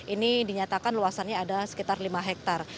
ini dinyatakan luasannya ada sekitar lima hektare